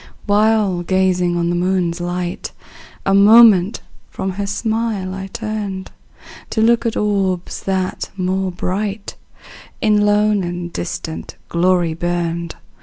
While gazing on the moon's light, A moment from her smile I turned, To look at orbs, that, more bright, In lone and distant glory burned.